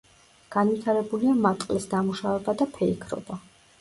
განვითარებულია მატყლის დამუშავება და ფეიქრობა.